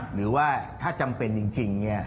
หรือว่าถ้าจำเป็นจริง